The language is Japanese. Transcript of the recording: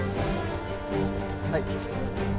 はい。